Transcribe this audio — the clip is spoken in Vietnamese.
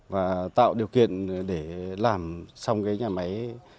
và tạo điều kiện để làm xong cái nhà máy